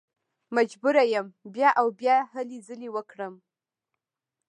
مجبوره یم بیا او بیا هلې ځلې وکړم.